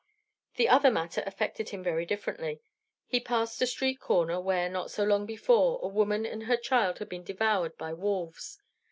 The other matter affected him very differently. He passed a street corner, where, not so long before, a woman and her child had been devoured by wolves.